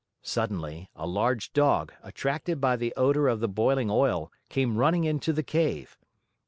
Suddenly, a large Dog, attracted by the odor of the boiling oil, came running into the cave.